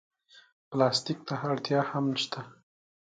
پلاستيک ته اړتیا هم شته.